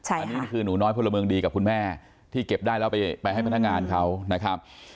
อันนี้คือหนูน้อยพลเมืองดีกับคุณแม่ที่เก็บได้แล้วไปให้พนักงานเขานะครับ